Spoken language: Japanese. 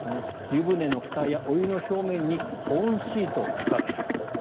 湯船のふたやお湯の表面に保温シートを浮かべると。